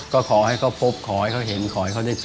ก็ขอให้เขาพบขอให้เขาเห็นขอให้เขาได้เจอ